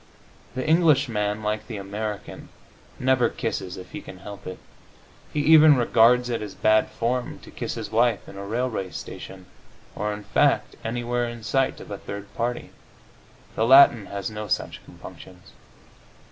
The Englishman, like the American, never kisses if he can help it. He even regards it as bad form to kiss his wife in a railway station, or, in fact, anywhere in sight of a third party. The Latin has no such compunctions.